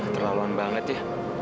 terlaluan banget ya